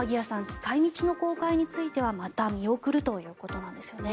使い道の公開についてはまた見送るということなんですよね。